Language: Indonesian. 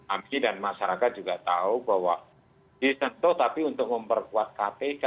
amsi dan masyarakat juga tahu bahwa disentuh tapi untuk memperkuat kpk